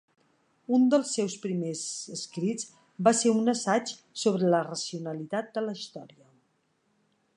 Un dels seus primers escrits va ser un assaig sobre la racionalitat de la història.